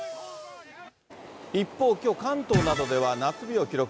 一方、きょう関東などでは、夏日を記録。